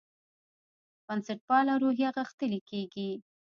بنسټپاله روحیه غښتلې کېږي.